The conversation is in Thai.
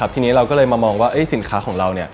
ทีนี้เราก็เลยมามองว่าสินค้าของเรา